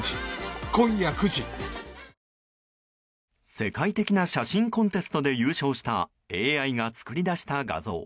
世界的な写真コンテストで優勝したＡＩが作り出した画像。